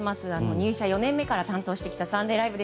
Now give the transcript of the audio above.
入社４年目から担当してきた「サンデーＬＩＶＥ！！」